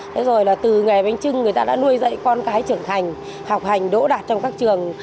thế rồi là từ nghề bánh trưng người ta đã nuôi dạy con cái trưởng thành học hành đỗ đạt trong các trường